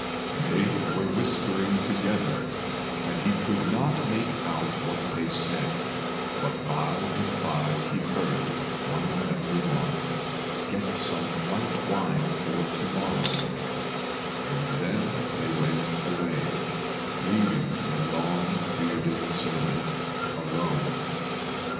They were whispering together, and he could not make out what they said; but by and by he heard one of them remark, "Get some white wine for to morrow," and then they went away, leaving the long bearded servant alone.